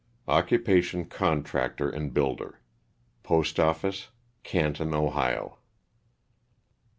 Occupation, contractor and builder; postoffice, Can ton, Ohio.